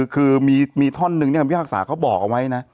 คือมีท่อนึงความพิพากษาเขาบอกเอาไว้